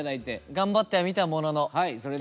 頑張ってはみたものの結局。